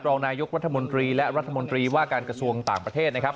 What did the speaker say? รองนายกรัฐมนตรีและรัฐมนตรีว่าการกระทรวงต่างประเทศนะครับ